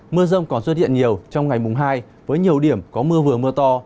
mưa rông còn xuất hiện nhiều trong ngày mùng hai với nhiều điểm có mưa vừa mưa to